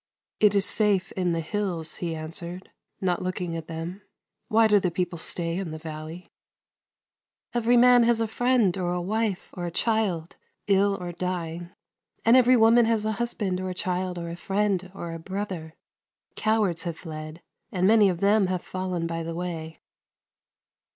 " It is safe in the hills," he answered, not looking at them. " Why do the people stay in the valley ?"" Every man has a friend, or a wife, or a child, ill or dying, and every woman has a husband, or a child, or a friend, or a brother. Cowards have fled, and many of them have fallen by the way."